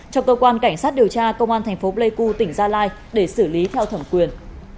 cho cơ quan cảnh sát điều tra công an thành phố pleiku tỉnh gia lai để xử lý theo thẩm quyền